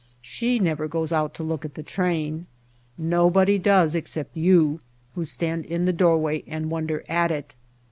She never goes out to look at the train. Nobody does, except you, who stand in the doorway and wonder at it.